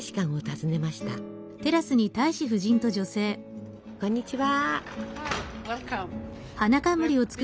こんにちは。